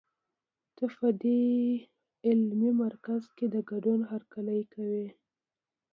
ته په دې علمي مرکز کې د ګډون هرکلی کوي.